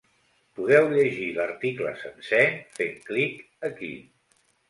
Podeu llegir l’article sencer, fent clic aquí.